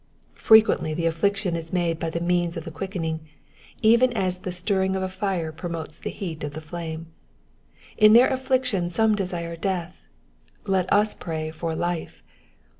Frequently the afiliction 18 made the means of the quickening, even as the stirring of a fire promotes the heat of the flame. In their affliction some desire death, let us pray for life.